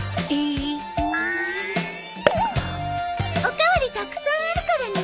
お代わりたくさんあるからね。